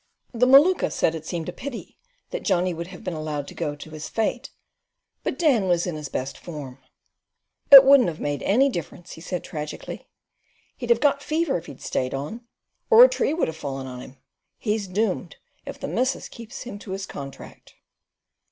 The Maluka said it seemed a pity that Johnny had been allowed to go to his fate; but Dan was in his best form. "It wouldn't have made any difference," he said tragically. "He'd have got fever if he'd stayed on, or a tree would have fallen on him. He's doomed if the missus keeps him to his contract."